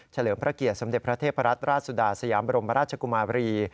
เลิมพระเกียรติสมเด็จพระเทพรัตนราชสุดาสยามบรมราชกุมาบรี